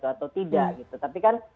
atau tidak tapi kan